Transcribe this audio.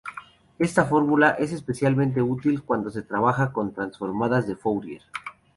Esta fórmula es especialmente útil cuando se trabaja con transformadas de Fourier.